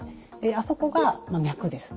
あそこが脈です。